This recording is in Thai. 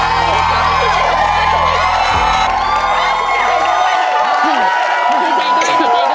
แม่ไปลุกไปที่ละทาย